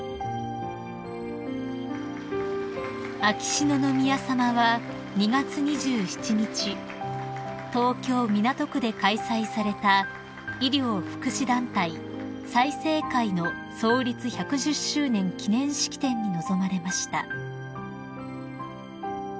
［秋篠宮さまは２月２７日東京港区で開催された医療・福祉団体済生会の創立１１０周年記念式典に臨まれました］